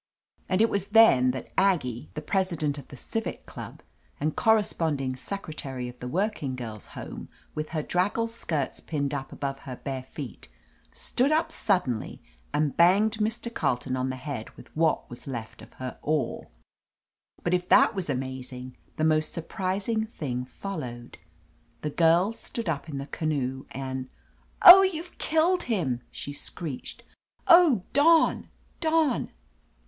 And it was then that Aggie, the president of the Civic Club and cor responding secretary of the Working Girls' Home, with her draggled skirts pinned up above her bare feet, stood up suddenly and banged Mr. Carleton on the head with what was left of her oar! But if that was amazing, the most surprising thing followed. The Girl stood up in the canoe and — Oh, youVe killed him!" she screeched. Oh, Don! Don!"